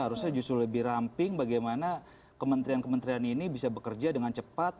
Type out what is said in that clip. harusnya justru lebih ramping bagaimana kementerian kementerian ini bisa bekerja dengan cepat